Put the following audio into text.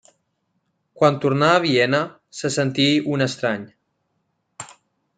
Quan tornà a Viena, se sentí un estrany.